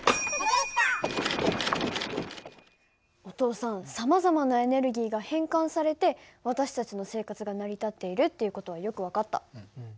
お父さんさまざまなエネルギーが変換されて私たちの生活が成り立っているっていう事はよく分かった。